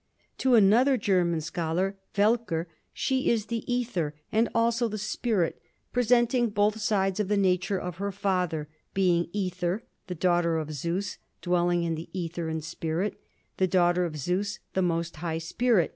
To another German scholar, Welcker, she is the æther and also the spirit, presenting both sides of the nature of her father, being æther, the daughter of Zeus dwelling in the æther and spirit, the daughter of Zeus the most high spirit.